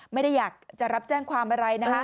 ไม่ได้อยากจะรับแจ้งความอะไรนะคะ